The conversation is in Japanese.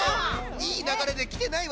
⁉いいながれできてないわよモノマネ。